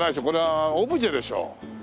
これはオブジェでしょ？